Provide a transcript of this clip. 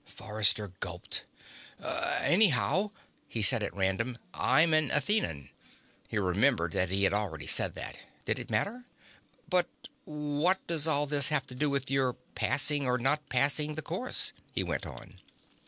Forrester gulped. "Anyhow," he said at random, "I'm an Athenan." He remembered that he had already said that. Did it matter? "But what does all this have to do with your passing, or not passing, the course?" he went on.